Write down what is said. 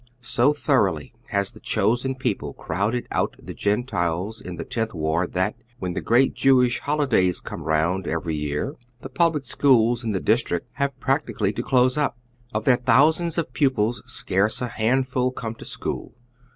So thor oughly has tiie chosen people crowded out the Gentiles in the Tenth Ward that, when the great Jewish liolidays come around every year, the public schools in the district have practically to close up. Of their tnousands of pupils scai ce a handful come to school.